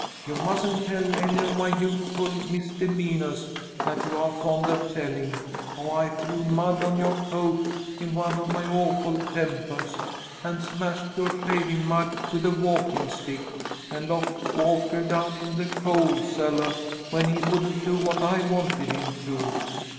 You mustn't tell any of my youthful misdemeanahs that you are fond of telling how I threw mud on yoah coat, in one of my awful tempahs, and smashed yoah shaving mug with a walking stick, and locked Walkah down in the coal cellah when he wouldn't do what I wanted him to.